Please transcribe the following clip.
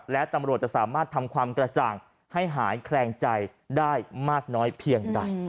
และตำรวจจะสามารถทำความกระจ่างให้หายแคลงใจได้มากน้อยเพียงใด